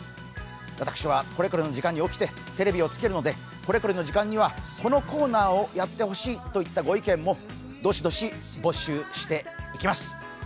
私はこれこれの時間に起きてテレビをつけるのでこれこれの時間にはこのコーナーをやってほしいといったご意見もどしどし募集していきます。